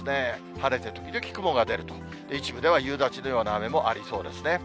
晴れて時々雲が出ると、一部では夕立のような雨もありそうですね。